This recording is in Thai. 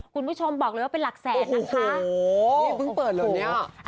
คุณผู้ชมบอกเลยว่าเป็นหลักแสนนะคะ